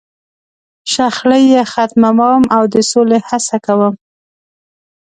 .شخړې یې ختموم، او د سولې هڅه کوم.